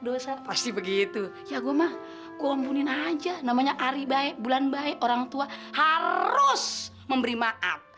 dosa pasti begitu ya gua mah gua mpunin aja namanya hari baik bulan baik orangtua harus memberi maaf